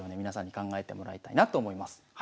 皆さんに考えてもらいたいなと思います。